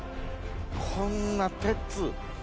こんな鉄。